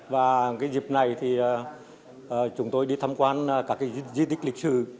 và cái dịp này thì chúng tôi đi thăm quan các di tích lịch sử